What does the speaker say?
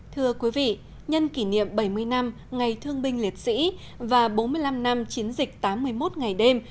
thưa quý vị nhân kỷ niệm bảy mươi năm ngày thương binh liệt sĩ và bốn mươi năm năm chiến dịch tám mươi một ngày đêm